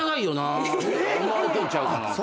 思われてんちゃうかなって。